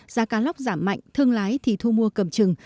giá cá lóc giảm mạnh thương lái thì thu mua cầm chừng